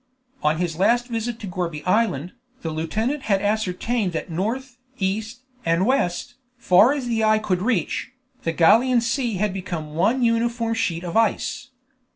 On his last visit to Gourbi Island, the lieutenant had ascertained that north, east, and west, far as the eye could reach, the Gallian Sea had become one uniform sheet of ice.